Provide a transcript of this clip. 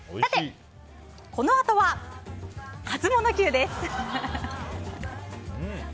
このあとはハツモノＱです。